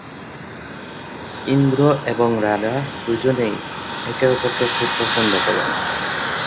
ইন্দ্র এবং রাধা দুজনেই একে অপরকে খুব পছন্দ করেন।